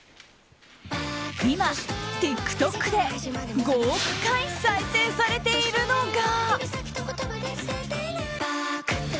今、ＴｉｋＴｏｋで５億回再生されているのが。